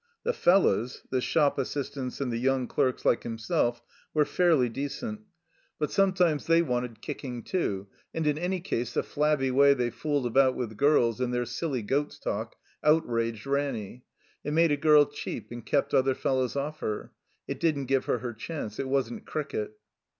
The "fellows," the shop assistants, and the young clerks, like himself, were fairly decent, but some 89 THE COMBINED MAZE tunes they wanted kicking, too, and in any case the * 'flabby" way they fooled about with girls, and their *' silly goats' talk" outraged Ranny. It made a girl cheap, and kept other fellows oflf her. It didn't give her her chance. It wasn't cricket.